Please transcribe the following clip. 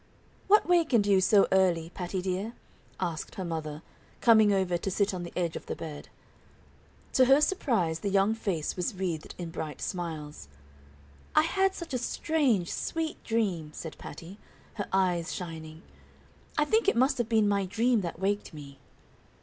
"What wakened you so early, Patty, dear?" asked her mother, coming over to sit on the edge of the bed. To her surprise the young face was wreathed in bright smiles. "I had such a strange, sweet dream," said Patty, her eyes shining. "I think it must have been my dream that waked me."